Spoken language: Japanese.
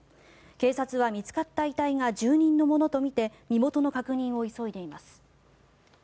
警察は見つかった遺体が住人のものとみて身元の確認を急いでいます。